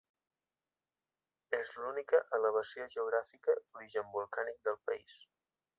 És l'única elevació geogràfica d'origen volcànic del país.